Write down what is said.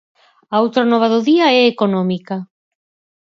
A outra nova do día é económica.